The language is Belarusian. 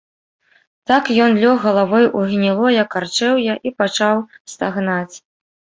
Так ён лёг галавой у гнілое карчэўе і пачаў стагнаць.